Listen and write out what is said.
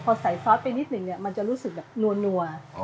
พอใส่ซอสไปนิดหนึ่งเนี่ยมันจะรู้สึกแบบนัว